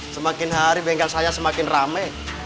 semakin hari bengkel saya semakin rame